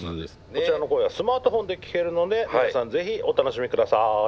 こちらの声はスマートフォンで聴けるので皆さん是非お楽しみください。